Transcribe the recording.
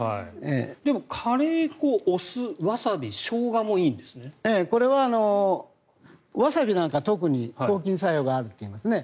でも、カレー粉お酢、ワサビ、ショウガもワサビなんか特に抗菌作用があるといいますね。